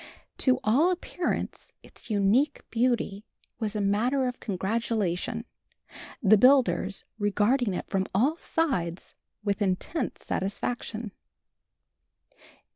To all appearance its unique beauty was a matter of congratulation, the builders regarding it from all sides with intense satisfaction.